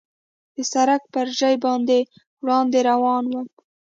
د سړک پر ژۍ باندې وړاندې روان ووم.